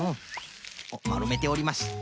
おっまるめております。